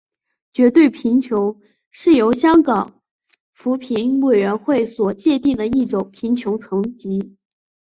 绝对贫穷是由香港扶贫委员会所界定的一种贫穷层级。